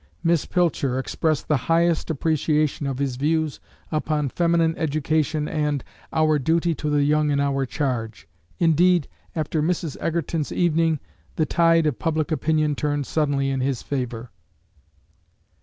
Miss Pilcher expressed the highest appreciation of his views upon feminine education and "our duty to the young in our charge." Indeed, after Mrs. Egerton's evening, the tide of public opinion turned suddenly in his favor.